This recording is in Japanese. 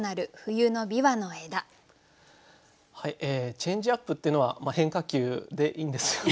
「チェンジアップ」っていうのは変化球でいいんですよね？